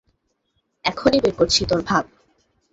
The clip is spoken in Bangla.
এখনি বের করছি তোর ভাব!